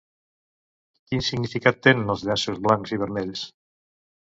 Quin significat tenen els llaços blancs i vermells?